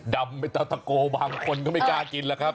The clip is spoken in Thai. ดำเป็นตาตะโกบางคนก็ไม่กล้ากินล่ะครับ